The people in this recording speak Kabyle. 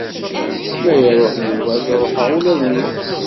Ma iruḥ Yuba ad ruḥeɣ ula d nekk.